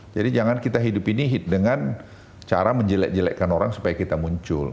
jadi jangan kita hidup ini dengan cara menjelek jelekkan orang supaya kita muncul